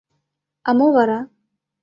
— А мо вара?